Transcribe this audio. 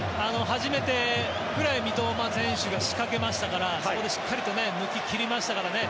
初めてくらい三笘選手が仕掛けましたからそこでしっかりと抜き切りましたからね。